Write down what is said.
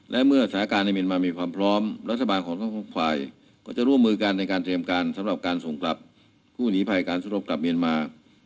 และเมื่อสถานการณ์ในเมียนมามีความพร้อมรัฐบาลของทั้ง๖ฝ่ายก็จะร่วมมือกันในการเตรียมการสำหรับการส่งกลับผู้หนีภัยการสู้รบกลับเมียนมา